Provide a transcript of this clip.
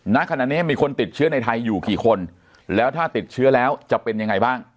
ณขณะนี้มีคนติดเชื้อในไทยอยู่กี่คนแล้วถ้าติดเชื้อแล้วจะเป็นยังไงบ้าง